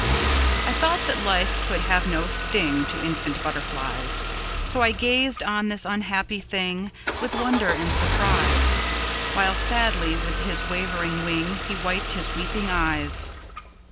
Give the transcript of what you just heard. I thought that life could have no stingTo infant butterflies, So I gazed on this unhappy thingWith wonder and surprise. While sadly with his waving wingHe wiped his weeping eyes.